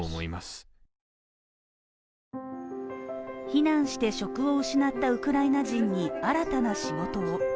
避難して職を失ったウクライナ人に新たな仕事を。